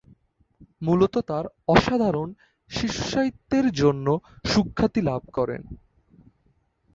মূলত তার অসাধারণ শিশু সাহিত্যের জন্য সুখ্যাতি লাভ করেন।